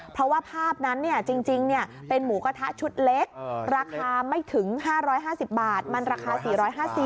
เพราะว่าภาพนั้นจริงเป็นหมูกระทะชุดเล็กราคาไม่ถึง๕๕๐บาทมันราคา๔๕๐บาท